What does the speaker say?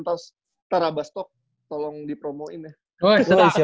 terus tarabastok tolong dipromoin ya